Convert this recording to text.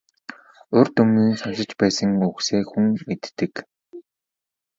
Урьд өмнө нь сонсож байсан үгсээ хүн мэддэг.